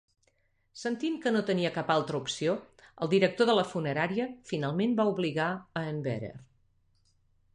Sentint que no tenia cap altra opció, el director de la funerària, finalment va obligar a en Bearer.